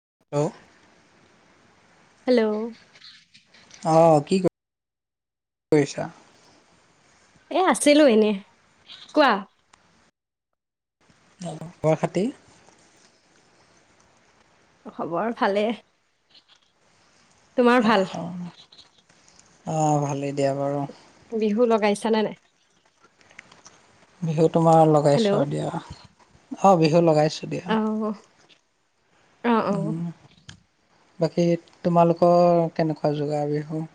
Hello. Hello অঁ কি কৰিছা এ আছিলো এনে কোৱা গুৱাহাটী খবৰ ভালে। তোমাৰ ভাল অ ভালেই দিয়া বাৰু। বিহু লগাইছানে নাই বিহুত তোমাৰ লগাইছোঁ হেল্ল' দিয়া। অ বিহু লগাই আছোঁ দিয়া। অ অ অ উম বাকী তোমালোকৰ কেনেকুৱা যোগাৰ বিহু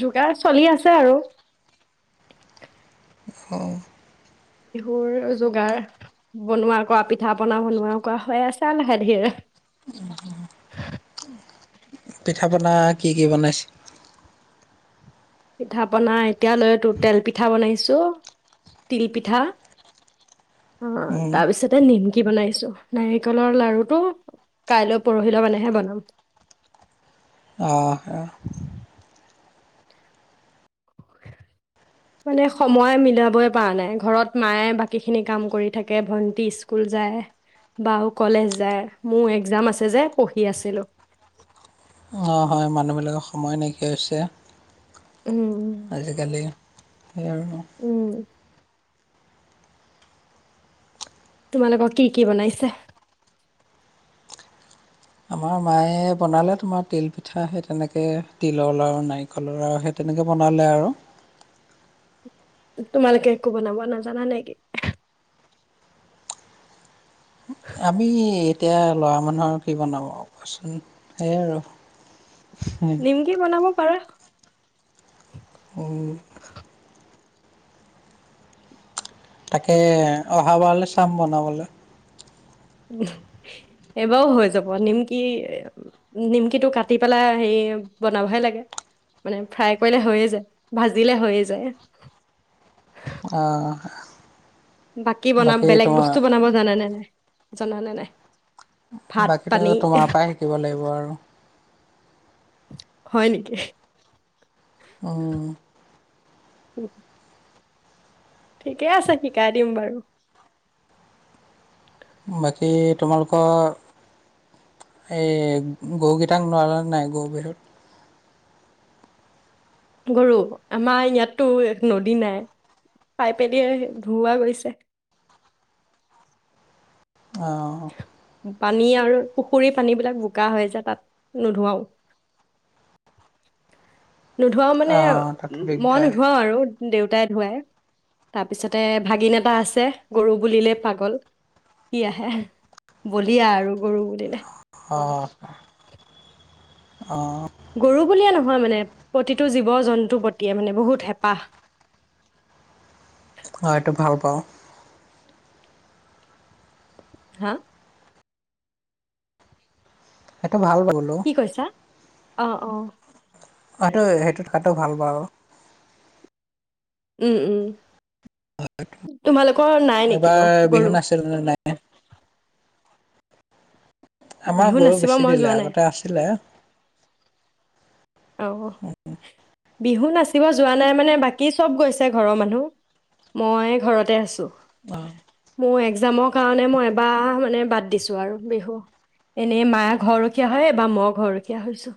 যোগাৰ চলি আছে আৰু অ বিহুৰ যোগাৰ বনোৱা কৰা পিঠা পনা বনোৱা কোৱা হৈ আছে আৰু লাহে ধিৰে পিঠা পনা কি কি বনাইছে পিঠা পনা এতিয়ালৈতো তেল পিঠা বনাইছো তিল পিঠা অ উম, তাৰপিছতে নিমকি বনাইছো নাৰিকলৰ লাৰুটো কাইলৈ পৰহিলৈ মানেহে বনাম। অ' মানে সময় মিলাবই পৰা নাই ঘৰত মায়ে বাকীখিনি কাম কৰি থাকে ভন্টি স্কুল যায় বা কলেজ যায় মোৰ এক্জাম আছে যে পঢ়ি আছিলোঁ। অঁ হয় মানুহবিলাকৰ সময় নাইকিয়া হৈছে উম আজিকালি সেই আৰু উম তোমালোকক কি কি বনাইছে আমাৰ মায়ে বনালে তোমাৰ তিলপিঠা সেই তেনেকৈ তিলৰ লাডু নাৰিকলৰ লাড়ু সেই তেনেকৈ বনালে আৰু তোমালোকে একো বনাব নাজানা নেকি আমি এতিয়া ল'ৰা মানুহৰ কি বনাব কোৱাচোন সেয়াই আৰু। নিমকি বনাব পাৰো অ। তাকে অহাবাৰলৈ চাম বনাবলৈ এইবাৰও হৈ যাব নিমকি নিমকিটো কাটি পেলাই হে বনাবহে লাগে মানে ফ্ৰাই কৰিলে হৈয়ে যায় ভাজিলে হৈয়ে যায়। আহ বাকী বনাম বেলেগ বস্তু বনাব জানে নে নাই জানান নে নাই ভাত বাকীতো পানী তোমাৰ পৰাই শিকিব লাগিব আৰু। হয় নেকি? উম। উম ঠিকে আছে শিকাই দিম বাৰু। বাকী তোমালোকৰ এই গৰুকেইটাক নোৱালান নাই গৰু বিহুত গৰু আমাৰ ইয়াততো নদী নাই পাইপেদি ধুওঁৱা গৈছে। অঁ পানী আৰু পুখুৰী পানীবিলাক বোকা হয় যে তাত নোধোৱাও নোধোৱা মানে অঁ তাতো মই দিগদাৰ নোধোৱা আৰু। দেউতাই ধুৱাই তাৰপিছতে ভাগিন এটা আছে গৰু বুলিলেই পাগল সি আহে বলিয়া আৰু গৰু বুলিলে অ'। গৰু বুলিয়ে নহয় নহয় মানে প্ৰতিটো জীৱ জন্তুৰ প্ৰতিয়ে মানে বহুত হেঁপাহ। অ' এইটো ভাল পাওঁ হাঁ এইটো ভাল বোলো অঁ অঁ হয়টো সেইটোত খোৱাটো ভাল বাৰু উম উম তোমালোকৰ নাই নে এইবাৰ কিনো বিহু গৰু [unintelligible] আমাৰ বিহু গৰু নাচিব বেছি মই দিলে যোৱা নাই আগতে আছিলে। অহ। বিহু নাচিব যোৱা নাই মানে বাকী চব গৈছে ঘৰৰ মানুহ মই ঘৰতে আছো অহ। মোৰ একজামৰ কাৰণে মই এবাৰ মানে বাদ দিছো আৰু বিহু এনেই মায়ে ঘৰখীয়া হয় এবাৰ মই ঘৰখীয়া হৈছো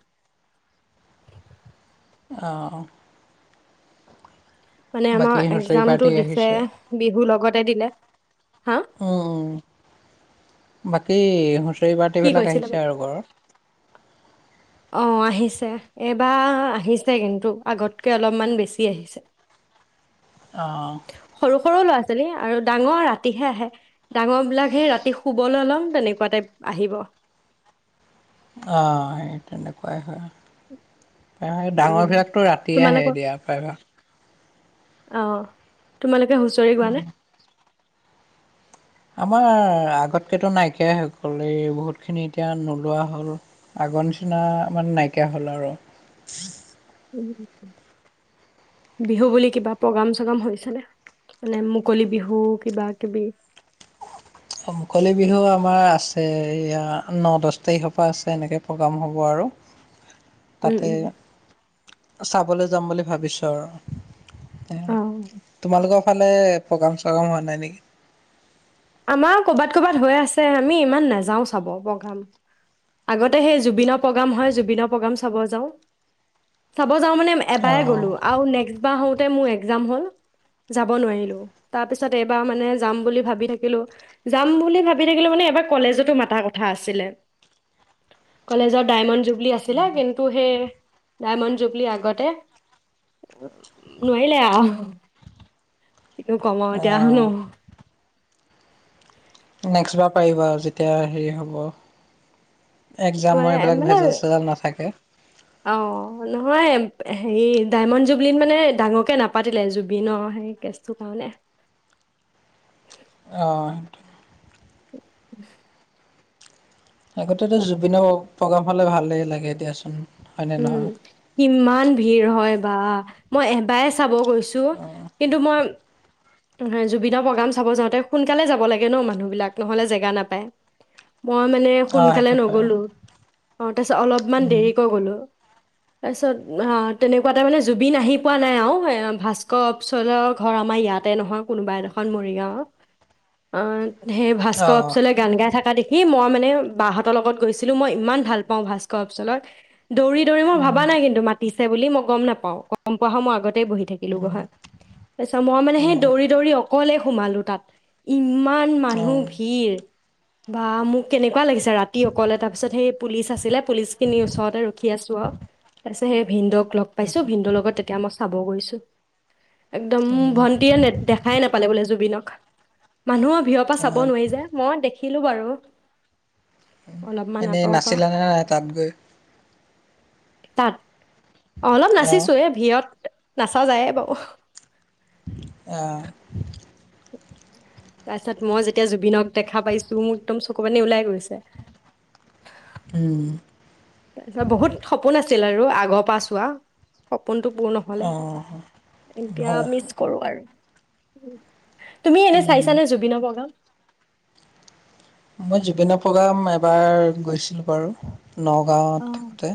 অহ। মানে আমাৰ হুঁচৰি একজামতটো পাৰ্টি দিছে আহিছে বিহুৰ লগত দিলে, হা উম, বাকী হুচৰি কি পাৰ্টিবিলাক কৈছিলে আহিছে আৰু ঘৰৰত অ', আহিছে এইবাৰ আহিছে কিন্তু আগতকৈ অলপমান বেছি আহিছে। অহ। সৰু সৰু ল'ৰা ছোৱালী আৰু ডাঙৰ ৰাতিহে আহে ডাঙৰ বিলাক সে ৰাতি শুবলৈ লম তেনেকুৱা টাইপ আহিব অ', সেই তেনেকুৱাই হয়। ডাঙৰ উম, বিলাকতো ৰাতিয়ে আহে তোমালোকৰ দিয়া পায়বা। অ', তোমালোকে হুঁচৰি গোৱানে? আমাৰ আগতকেতো নাইকিয়াই হৈকল এই বহুতখিনি এতিয়া নোলোৱা হ'ল আগৰ নিচিনা মানে নাইকিয়া হ'ল আৰু। বিহু বুলি কিবা প্ৰগ্ৰাম চগ্ৰাম হৈছেনে মানে মুকলি বিহু কিবা কিবি? মুকলি বিহু আমাৰ আছে এয়া ন দহ তাৰিখৰ পৰা আছে এনেকে প্ৰগ্ৰাম হ'ব আৰু উম, তাতে উম, চাবলৈ যাম বুলি ভাবিছোঁ অ', আৰু। তোমালোকক সেইফালে প্ৰ'গ্ৰাম চগ্ৰাম হোৱা নাই নেকি আমাৰ কৰ'বাত কৰ'বাত হৈ আছে আমি ইমান নাযাও চাব প্ৰগ্ৰাম আগতে সেই জুবিনৰ প্ৰগ্ৰাম হয় জুবিনৰ প্ৰগ্ৰাম চাব যাওঁ মই যাওঁ মানে এবাৰ অঁ গ'লো আৰু নেক্স বাৰ হওঁতে মোৰ একজাম যাম বুলি যাব নোৱাৰিলো তাৰপিছত এইবাৰ মানে য বুলি ভাবি থাকিলো ভাবিলো যাম বুলি ভাবি থাকিলো মানে এইবাৰ কলেজটো মতা কথা আছিলে কলেগৰ ডাইমণ্ড জুবলি দি আছিলে কিন্তু সেই ডায়মণ্ড জুবলি আগতে নোৱাৰিলে আহ। কিন্তু কম এতিয়ানো। অ' নেক্সট বাৰ পাৰিব আৰু যেতিয়া হেৰি হ'ব। এক্সামৰ নাৰে এইবিলাক মানে ভেজাল চেজাল নাথাকে। অহ, নহয়। হেৰি ডায়মণ্ড জুবুলিত মানে ডাঙৰকে নাপাতিলে জুবিনৰ সেই কেছটোৰ কাৰণে। অ'। উম। আগতেতো জুবিনৰ প্ৰগ্ৰাম হলে ভালেই লাগে দিয়াচোন হয়নে উম, নহয়? ইমান ভিৰ হয় বা মই এবাই চাব কৈছো কিন্তু মই জুবিনৰ প্ৰগ্ৰাম চাব যাওঁতে সোনকালে যাব লাগে ন মানুহ বিলগ নহলে জেগা নাপায়। মই মানে অ' সোনকালে সেইটো হয় নগলো। অ'। তাৰপিছত অলপমান উম, দেৰিকৈ গ'লোঁ। তাৰপিছত তেনেকুৱাতে মানে জুবিন আহি পোৱা নাই আৰু এ ভাস্কৰ অচলৰ ঘৰ আমাৰ ইয়াতে নহয় কোনোবা এডোখৰ মৰিগাঁওৰ আহ সেই ভাস্কৰ অ' অপচলৈ গান গাই থাককা দেখি মই মানে মানে বাহঁতৰ লগত গৈছিলো মই ইমান ভাল পাওঁ ভাস্কৰ অপচক দৌৰি দৌৰি মই ভবা নাই কিন্তু মাতিছে সেই বুলি মই গম নাপাওঁ গম পোৱা হলে মই আগতে বহি থাকিলোহা তাৰ পিছত মই মানে সেই উম, দৌৰি দৌৰি অকলে সোমালোঁ তাত ইমান মানুহ উম। ভিৰ বা মোক কেনেকুৱা লাগিছে ৰাতি অকলে তাৰ পিছত সেই পুলিচ আছিলে পুলিচ খিনিৰ ওচৰতে লখি আছো আৰু তাৰ পিছত সেই ভিনন্দুক লগ পাইছো ভিনন্দুৰ লগত তেতিয়া মই চাব গৈছো [inaudible] একদম ভণ্টিয়ে নে দেখাই নোপালে বোলে জুবিনক মানুহৰ ভিৰৰ পৰা চাব অ' নোৱাৰি যে। মই দেখি দেখিলো বাৰু অলপমান এনেই আঁতৰৰ পৰা নাছিলানে ন তাত গৈ তাত অ, অলপ অ' নাচিছো এ ভিৰত নাচা যায়ে বাবু অ'। তাৰপিছত মই যেতিয়া জুবিনক দেখা পাইছো মোক একদম চকু পানী ওলাই গৈছে। উম তাৰপিছত বহুত সপোন আছিল আৰু আগৰ পৰা চোৱা সপোনটো পূৰ নহলে অ' এতিয়া হয়। মিচ কৰো আৰু উম তুমি এনে চাইছানে জুবিনৰ বগা মই জুবিনৰ প্ৰগ্ৰাম এবাৰ গৈছিলোঁ বাৰু। অ', নগাঁৱত থাকোঁতে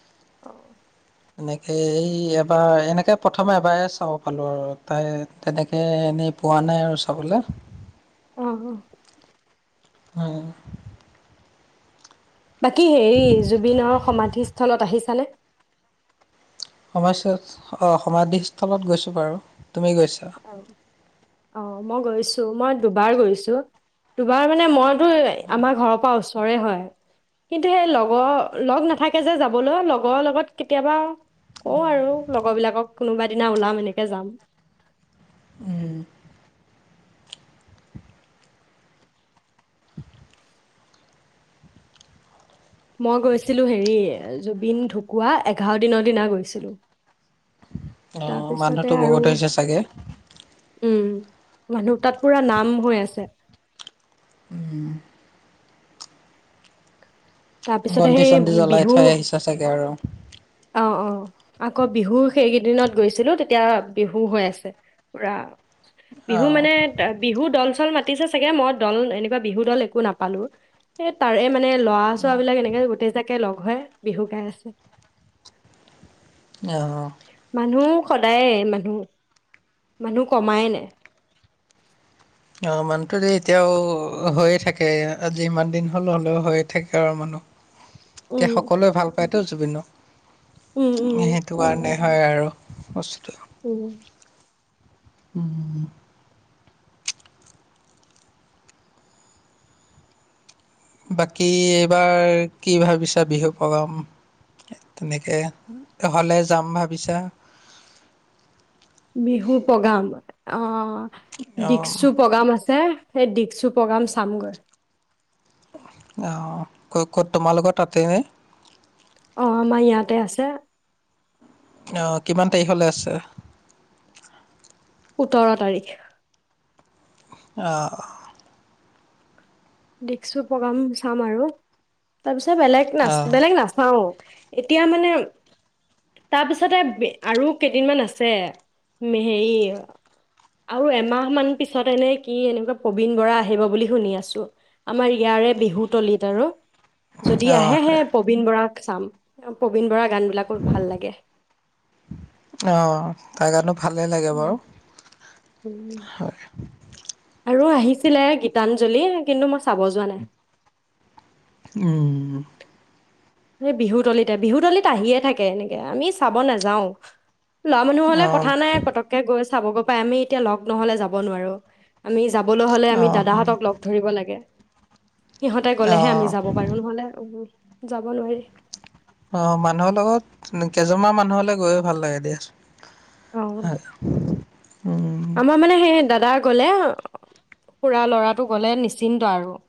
[inaudible] এনেকে এই এবাৰ এনেকে প্ৰথমে এবাৰ চাব পালোঁ আৰু তাই তেনেকে এনেই পোৱা নাই আৰু চাবলৈ আহ অ উ বাকী হেৰি জুবিনৰ সমাধি সলত আহিছে খানে সমাস্যাত- অ, সমাধিস্থলত গৈছোঁ বাৰু তুমি গৈছা অ', অ মই গৈছো মই দুবাৰ গৈছো দুবাৰ মানে মইতো আমাৰ ঘৰৰ পৰা ওচৰে হয় কিন্তু সেই লগৰ লগ নাথাকে যে যাবলৈ লগৰ লগত কেতিয়াবা কওঁ আৰু লগৰবিলাকক কোনোবা দিনা ওলাম এনেকে যাম [inaudible] মই গৈছিলোঁ হেৰি, জুবিন ঢুকুৱা এঘাৰ দিনৰ দিনা গৈছিলোঁ। তাৰপিছতে মানুহটো আৰু বহুত হৈছে চাগে উম, মানুহ তাত পুৰা নাম হৈ আছে তাৰপিছত বন্তি সেই চন্তি জ্বলাই বিহু থৈ আহিছা চাগে আৰু অ অ আকৌ বিহু সেইকেইদিনত গৈছিলোঁ, তেতিয়া বিহু হৈ আছে, পুৰা অ বিহু মানে বিহুত দল চল মাতিছে চাগে, মই দল এনেকুৱা বিহু দল একো নাপালোঁ, এ তাৰে মানে ল'ৰা চোৱাবলাক এনেকে গোটেই জাকে লগ হৈ বিহু গাই আছে অ' মানুহ সদায়ে মানুহ। মানুহ কমাই নাই। অ', মানুহো যে এতিয়াও হৈয়ে থাকে আজি ইমান দিন হ'লে হ'লেও হৈয়ে থাকে আৰু মানুহ। এতিয়া উম সকলোৱে ভাল পায়। উম উম [unintelligible] সেইটো কাৰণে। হয় আৰু বস্তুটো। উম। উম। বাকী এইবাৰ কি ভাবিছা বিহু প্ৰগ্ৰাম তেনেকে হ'লে যাম ভাবিছা‌। বিহু প্ৰগ্ৰাম অ। অ', দিকচু প্ৰগ্ৰাম আছে। সেই দিকচু প্ৰগ্ৰাম চামগৈ। অ', ক'ত ক'ত তোমালোকৰ তাতেনে। অ', আমাৰ ইয়াতে আছে। অ' কিমান তাৰিখলে আছে। [unintelligible] সোতৰ তাৰিখ। আ। দিকচু প্ৰগ্ৰাম চাম আৰু তাৰপিছত এ বেলেগ না অ', বেলেগ নাচাও। এতিয়া মানে তাৰ পিছতো আৰু কেইদিনমান আছে হেৰি, আৰু এমাহ মান পিছত এনেকুৱা যে প্ৰবীণ বৰা আহিব বুলি শুনি আছোঁ। আমাৰ ইয়াৰে বিহু তলিত আৰু। যদি অ', আহেহে হয়। প্ৰবীন বৰা চাম প্ৰবীণ বৰা অ', তাৰ কাৰণে ভালেই লাগে উম, বাৰু। উম। [unintelligible] আৰু আহিছিলে গীতাঞ্জলি কিন্তু মই চাব যোৱা নাই। উম। এই বিহুতলিতে, বিহুতলিত আহিয়ে থাকে এনেকে আমি চাব নেয়াও। ল'ৰা মানুহ হ'লে কথা অ', নাই পটককে গৈ হব পাই আমি এতিয়া লগ নহলে যাব নোৱাৰো আমি যাবলৈ হ'লে আমি অ', হয়। দাদাহঁতক লগ ধৰিব লাগে। সিহঁতে গ'লেহে আমি অ', যাব পাৰো নহলে যাব নোৱাৰিলি। অ', মানুহৰ লগত কেইজনমান মানুহলৈ গৈ ভাল লাগে দিয়াচোন। অঁ ভাল [unintelligible] আমাৰ মানে সে দাদা গ'লে খুৰা ল'ৰাটো গ'লে নিশ্চিন্ত আৰু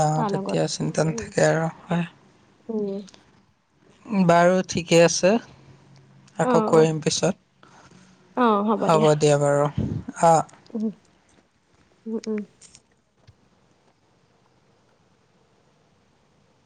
অ তাৰ লগত তেতিয়া চিন্তা নাথাকে আৰু হয় অ বাৰু ঠিকে আছে আকৌ অঁ কৰিম পিছত হ'ব দিয়া বাৰু অ', উম উম উম